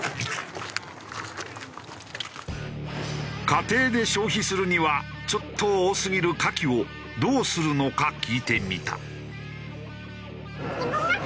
家庭で消費するにはちょっと多すぎるカキをどうするのか聞いてみた。